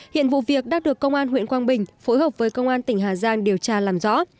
hiện vụ việc đã được công an huyện quang bình phối hợp với công an tỉnh hà giang điều tra làm rõ